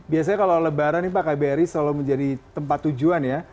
biasanya kalau lebaran ini pak kbri selalu menjadi tempat tujuan ya